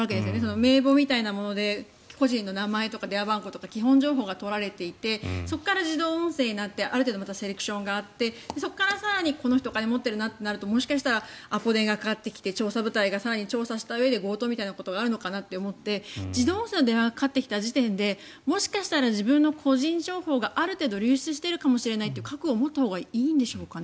名簿みたいなもので個人の名前とか電話番号とか基本情報が取られていてそこから自動音声になってある程度またセレクションがあってそこから更にこの人、金持ってるなとなるとアポ電がかかってきて調査部隊が更に調査をしたうえで強盗みたいなことがあるのかなって思って自動音声の電話がかかってきた時点でもしかしたら自分の個人情報がある程度流出しているかもしれないという覚悟を持ったほうがいいんですかね。